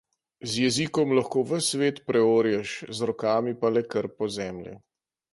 Z jezikom lahko ves svet preorješ, z rokami pa le krpo zemlje.